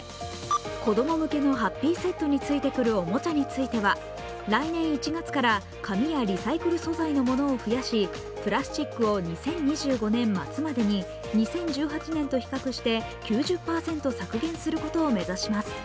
子ども向けのハッピーセットについてくるおもちゃについては、来年１月から紙やリサイクル素材のものを増やし、プラスチックを２０２５年末までに２０１８年と比較して９０％削減することを目指します。